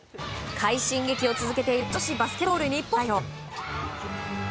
快進撃を続けている女子バスケットボール日本代表。